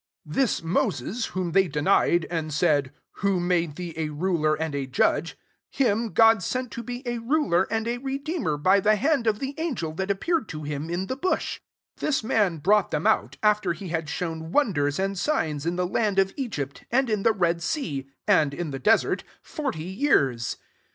35 This Moses, whom they denied, and said, ' Who made thee a ruler and a judge ?' him God sent to be a ruler and a redeem er, by the hand of the angel that appeared . to him in the bush. 36 This man brought them out, after he had shown wonders and signs in the land of Blgypt, and in the Red sea, and in the desert, forty years.